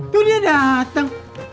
tuh dia dateng